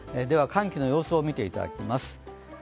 寒気の様子を見ていただきます。